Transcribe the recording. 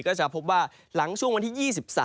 ก็จะพบว่าหลังช่วงวันที่๒๓